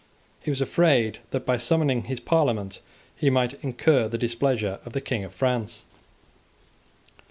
He was afraid that by summoning his Parliament he might incur the displeasure of the King of France.